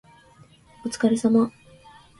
お疲れ様